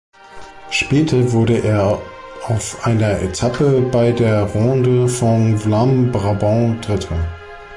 Später wurde er auf einer Etappe bei der Ronde van Vlaams-Brabant Dritter.